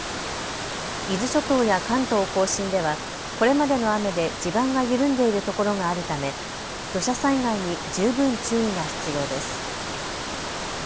伊豆諸島や関東甲信ではこれまでの雨で地盤が緩んでいるところがあるため土砂災害に十分注意が必要です。